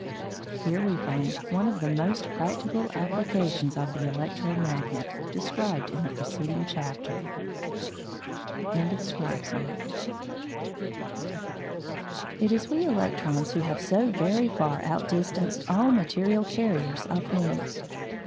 Here we find one of the practical applications of the electro magnet described in the preceding chapter. CHAPTER IX HOW WE CARRY MAN'S NEWS It is we electrons who have so very far outdistanced all material carriers of news.